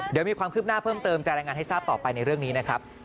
เดี๋ยวมีความคืบหน้าเพิ่มเติมจะรายงานให้ทราบต่อไปในเรื่องนี้นะครับ